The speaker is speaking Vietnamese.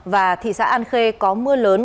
và thị xã an khê có mưa lớn